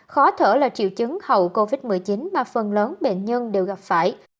khó thở là triệu chứng hậu covid một mươi chín mà phần lớn bệnh nhân đều gặp phải